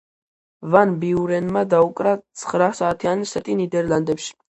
ვან ბიურენმა დაუკრა ცხრა საათიანი სეტი ნიდერლანდებში.